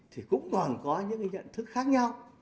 thì cũng còn có những cái nhận thức khác nhau